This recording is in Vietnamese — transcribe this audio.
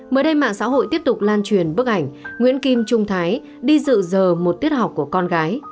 mới đây mạng xã hội tiếp tục lan truyền bức ảnh nguyễn kim trung thái đi dự một tiết học của con gái